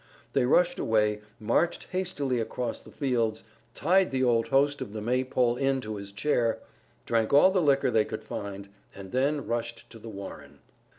They rushed away, marched hastily across the fields, tied the old host of the Maypole Inn to his chair, drank all the liquor they could find and then rushed to The Warren.